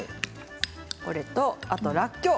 これとあと、らっきょう。